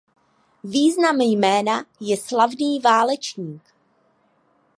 Význam jména je „Slavný válečník“.